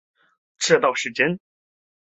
这倒是真